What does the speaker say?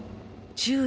「注意！